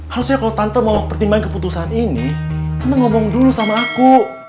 harusnya kalo tante mau pertimbangin keputusan ini tante ngomong dulu sama aku